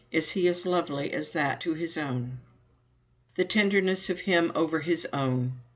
"Is he as lovely as that to his own?" The tenderness of him over his own!